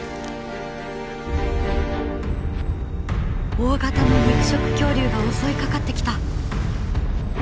大型の肉食恐竜が襲いかかってきた！